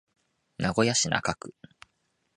名古屋市中区